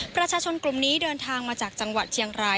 ประชาชนกลุ่มนี้เดินทางมาจากจังหวัดเชียงราย